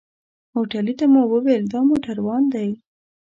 هوټلي ته مو وويل دا موټروان دی.